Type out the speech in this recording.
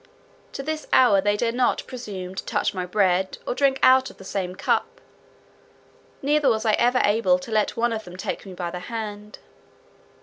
To this hour they dare not presume to touch my bread, or drink out of the same cup, neither was I ever able to let one of them take me by the hand.